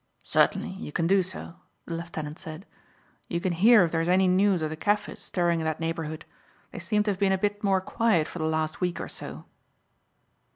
"Certainly, you can do so," the lieutenant said. "You can hear if there is any news of the Kaffirs stirring in that neighbourhood; they seem to have been a bit more quiet for the last week or so."